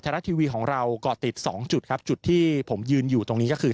วิทยาลัยสนิทแล้วก็ติดสองจุดครับจุดที่ผมยืนอยู่ตรงนี้ก็คือ